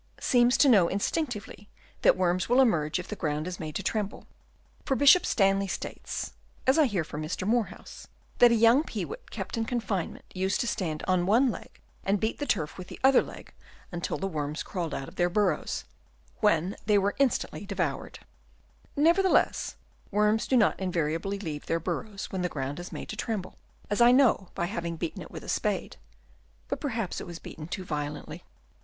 seems to know instinctively that worms will emerge if the ground is made to tremble ; for Bishop Stanley states (as I hear from Mr. Moorhouse) that a young peewit kept in confinement used to stand on one leg and beat the turf with the other leg until the worms crawled out of their burrows, when they were instantly Chap. I. THEIR SENSES. 29 devoured. Nevertheless, worms do not in variably leave their burrows when the ground is made to tremble, as I know by having beaten it with a spade, but perhaps it was beaten too violently.